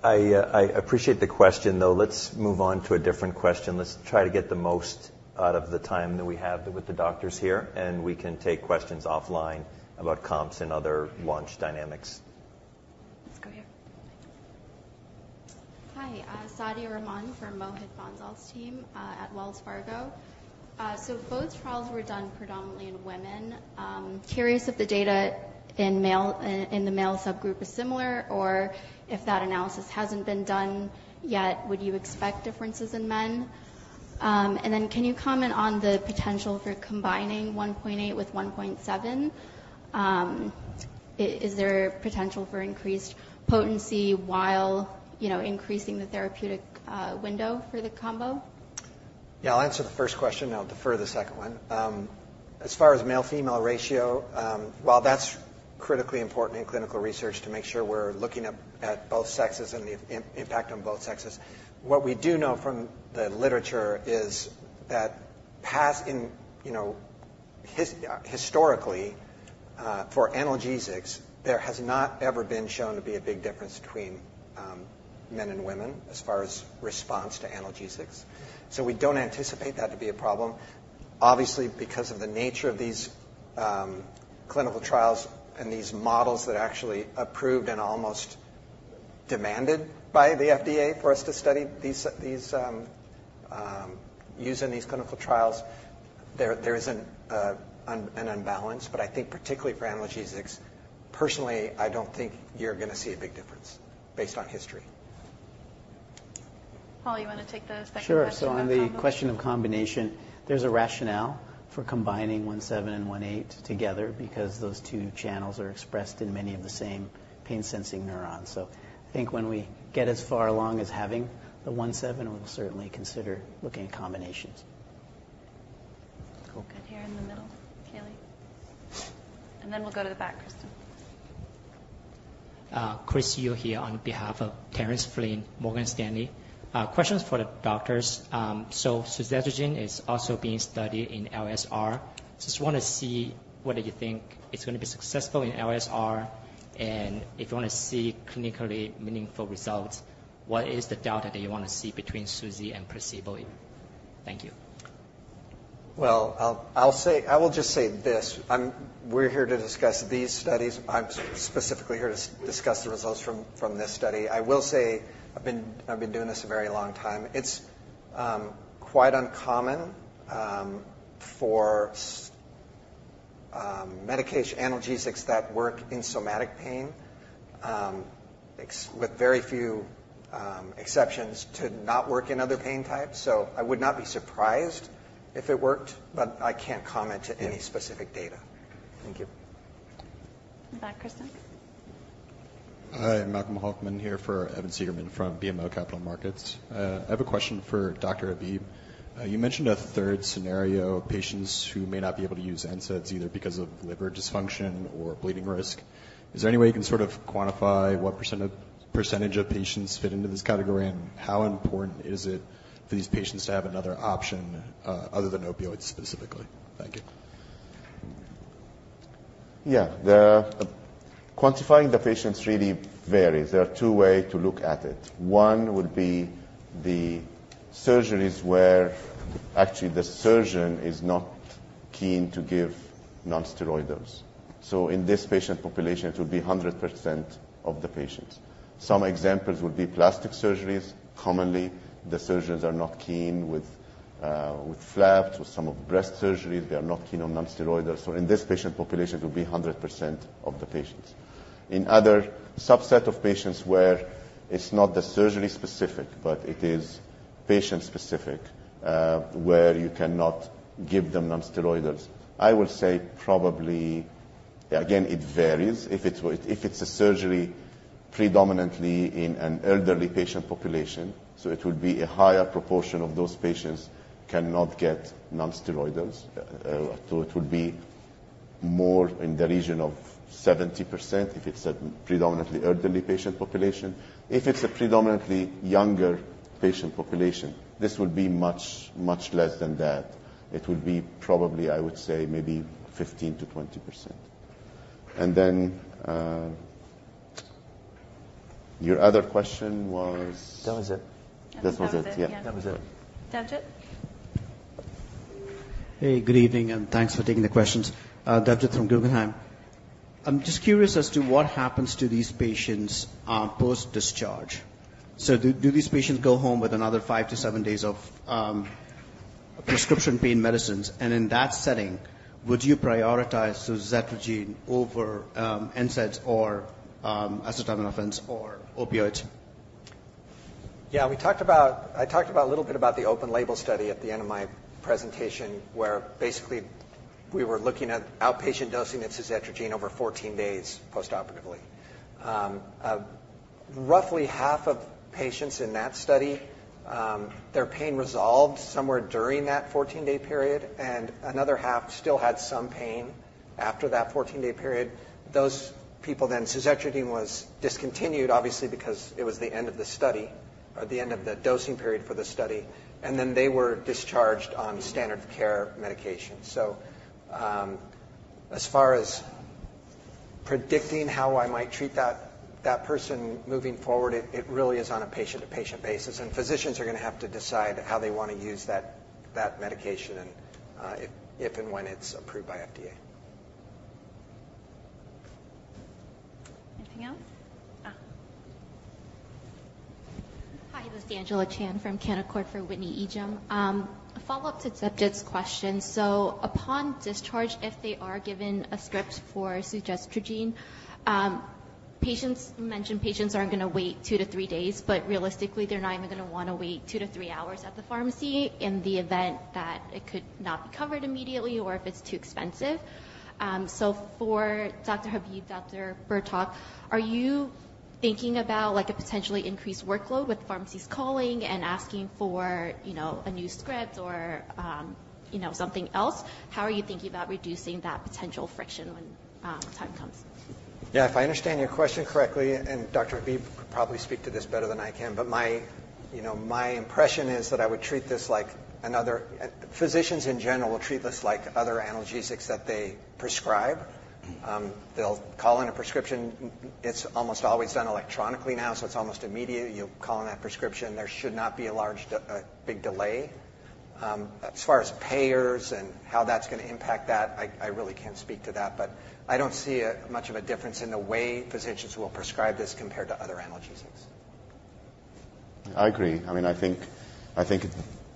[SPEAKER 3] I, I appreciate the question, though let's move on to a different question. Let's try to get the most out of the time that we have with the doctors here, and we can take questions offline about comps and other launch dynamics.
[SPEAKER 1] Let's go here.
[SPEAKER 11] Hi, Sadia Rahman from Mohit Bansal's team at Wells Fargo. So both trials were done predominantly in women. Curious if the data in the male subgroup is similar, or if that analysis hasn't been done yet, would you expect differences in men? And then can you comment on the potential for combining NaV1.8 with NaV1.7? Is there potential for increased potency while, you know, increasing the therapeutic window for the combo?
[SPEAKER 2] Yeah, I'll answer the first question, and I'll defer the second one. As far as male-female ratio, while that's critically important in clinical research to make sure we're looking at both sexes and the impact on both sexes, what we do know from the literature is that historically, you know, for analgesics, there has not ever been shown to be a big difference between men and women as far as response to analgesics. So we don't anticipate that to be a problem. Obviously, because of the nature of these clinical trials and these models that are actually approved and almost demanded by the FDA for us to study these use in these clinical trials, there isn't an imbalance. But I think particularly for analgesics, personally, I don't think you're gonna see a big difference based on history.
[SPEAKER 1] Paul, you want to take the second question on combo?
[SPEAKER 12] Sure. So on the question of combination, there's a rationale for combining one seven and one eight together because those two channels are expressed in many of the same pain-sensing neurons. So I think when we get as far along as having the one seven, we'll certainly consider looking at combinations.
[SPEAKER 1] Cool. Good. Here in the middle, Keeley. And then we'll go to the back, Kristin.
[SPEAKER 13] Chris Yu here on behalf of Terence Flynn, Morgan Stanley. Questions for the doctors: so suzetrigine is also being studied in LSR. Just want to see whether you think it's gonna be successful in LSR, and if you want to see clinically meaningful results, what is the data that you want to see between Suzy and placebo? Thank you.
[SPEAKER 2] I will just say this. We're here to discuss these studies. I'm specifically here to discuss the results from this study. I will say I've been doing this a very long time. It's quite uncommon for medication, analgesics that work in somatic pain, with very few exceptions, to not work in other pain types. So I would not be surprised if it worked, but I can't comment to any specific data.
[SPEAKER 13] Thank you.
[SPEAKER 1] In the back, Kristin.
[SPEAKER 14] Hi, Malcolm Hoffman here for Evan Siegerman from BMO Capital Markets. I have a question for Dr. Habib. You mentioned a third scenario, patients who may not be able to use NSAIDs either because of liver dysfunction or bleeding risk. Is there any way you can sort of quantify what percent of, percentage of patients fit into this category, and how important is it for these patients to have another option, other than opioids specifically? Thank you.
[SPEAKER 3] Yeah. The quantifying the patients really varies. There are two way to look at it. One would be the surgeries where actually the surgeon is not keen to give nonsteroidals. So in this patient population, it would be 100% of the patients. Some examples would be plastic surgeries. Commonly, the surgeons are not keen with, with flaps or some of breast surgeries. They are not keen on nonsteroidals. So in this patient population, it will be 100% of the patients. In other subset of patients where it's not the surgery-specific, but it is patient-specific, where you cannot give them nonsteroidals, I will say probably, again, it varies. If it's a surgery predominantly in an elderly patient population, so it would be a higher proportion of those patients cannot get nonsteroidals. So it would be more in the region of 70% if it's a predominantly elderly patient population. If it's a predominantly younger patient population, this would be much, much less than that. It would be probably, I would say, maybe 15%-20%. And then, your other question was?
[SPEAKER 14] That was it.
[SPEAKER 3] That was it.
[SPEAKER 14] Yeah, that was it.
[SPEAKER 1] Debjit?
[SPEAKER 15] Hey, good evening, and thanks for taking the questions. Debjit from Guggenheim. I'm just curious as to what happens to these patients post-discharge. So do these patients go home with another five to seven days of prescription pain medicines? And in that setting, would you prioritize suzetrigine over NSAIDs, or acetaminophen, or opioids?
[SPEAKER 2] Yeah, I talked about a little bit about the open label study at the end of my presentation, where basically we were looking at outpatient dosing of suzetrigine over fourteen days postoperatively. Roughly half of patients in that study, their pain resolved somewhere during that fourteen-day period, and another half still had some pain after that fourteen-day period. Those people then, suzetrigine was discontinued, obviously, because it was the end of the study or the end of the dosing period for the study, and then they were discharged on standard care medication. So, as far as predicting how I might treat that, that person moving forward, it, it really is on a patient-to-patient basis, and physicians are gonna have to decide how they wanna use that, that medication and, if, if and when it's approved by FDA.
[SPEAKER 1] Anything else?
[SPEAKER 16] Hi, this is Angela Chan from Canaccord for Whitney Ijem. A follow-up to Debjit's question. So upon discharge, if they are given a script for suzetrigine, patients. You mentioned patients aren't gonna wait two to three days, but realistically, they're not even gonna wanna wait two to three hours at the pharmacy in the event that it could not be covered immediately or if it's too expensive. So for Dr. Habib, Dr. Bertoch, are you thinking about, like, a potentially increased workload with pharmacies calling and asking for, you know, a new script or, you know, something else? How are you thinking about reducing that potential friction when the time comes?
[SPEAKER 2] Yeah, if I understand your question correctly, and Dr. Habib could probably speak to this better than I can, but you know, my impression is that I would treat this like another... Physicians in general will treat this like other analgesics that they prescribe. They'll call in a prescription. It's almost always done electronically now, so it's almost immediate. You'll call in that prescription. There should not be a large a big delay. As far as payers and how that's gonna impact that, I really can't speak to that, but I don't see much of a difference in the way physicians will prescribe this compared to other analgesics.
[SPEAKER 3] I agree. I mean, I think, I think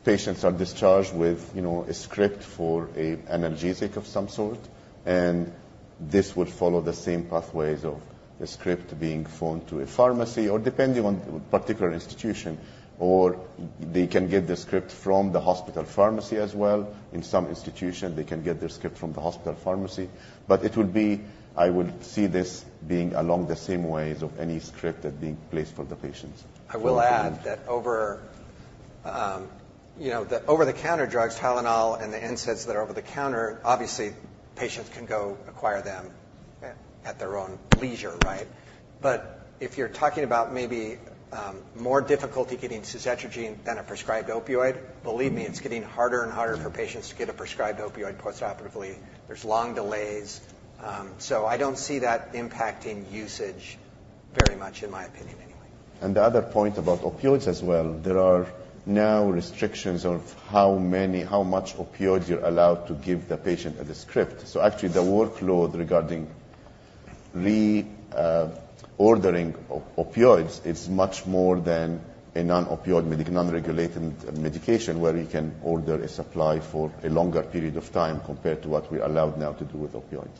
[SPEAKER 3] patients are discharged with, you know, a script for an analgesic of some sort, and this would follow the same pathways of a script being phoned to a pharmacy or depending on the particular institution. Or they can get the script from the hospital pharmacy as well. In some institutions, they can get their script from the hospital pharmacy, but it will be... I would see this being along the same ways of any script that being placed for the patients.
[SPEAKER 2] I will add that over, you know, the over-the-counter drugs, Tylenol and the NSAIDs that are over the counter, obviously, patients can go acquire them-
[SPEAKER 3] Yeah.
[SPEAKER 2] -at their own leisure, right? But if you're talking about maybe, more difficulty getting suzetrigine than a prescribed opioid, believe me, it's getting harder and harder for patients to get a prescribed opioid postoperatively. There's long delays. So I don't see that impacting usage very much, in my opinion, anyway.
[SPEAKER 3] The other point about opioids as well, there are now restrictions on how many, how much opioids you're allowed to give the patient as a script. Actually, the workload regarding reordering opioids is much more than a non-opioid, non-regulated medication, where you can order a supply for a longer period of time compared to what we're allowed now to do with opioids.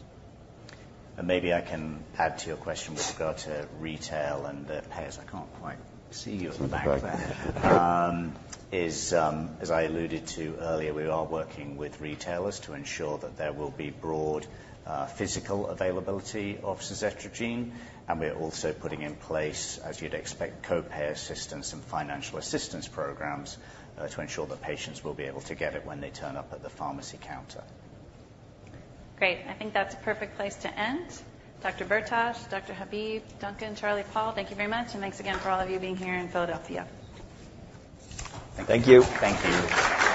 [SPEAKER 4] Maybe I can add to your question with regard to retail and the payers. I can't quite see you at the back there. As I alluded to earlier, we are working with retailers to ensure that there will be broad physical availability of suzetrigine, and we are also putting in place, as you'd expect, copay assistance and financial assistance programs to ensure that patients will be able to get it when they turn up at the pharmacy counter.
[SPEAKER 1] Great. I think that's a perfect place to end. Dr. Bertoch, Dr. Habib, Duncan, Charlie, Paul, thank you very much, and thanks again for all of you being here in Philadelphia.
[SPEAKER 4] Thank you.
[SPEAKER 2] Thank you.